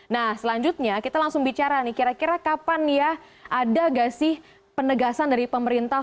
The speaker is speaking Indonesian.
nah selanjutnya kita langsung bicara nih kira kira kapan ya ada gak sih penegasan dari pemerintah